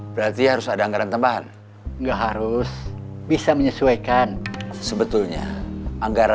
pakai seragam seperti rati dan mira